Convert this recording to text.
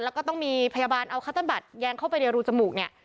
ทำให้ก็ต้องมีอุปกรณ์เอาคอตตั้งบัตรแยงเข้าไปในรูจมูกเนี่ย